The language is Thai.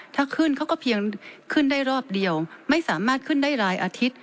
ถ้าขึ้นเขาก็เพียงขึ้นได้รอบเดียวไม่สามารถขึ้นได้รายอาทิตย์